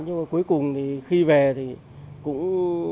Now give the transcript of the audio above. nhưng cuối cùng khi về thì cũng